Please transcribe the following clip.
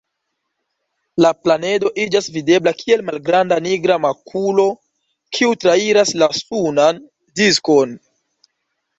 La planedo iĝas videbla kiel malgranda nigra makulo, kiu trairas la sunan diskon.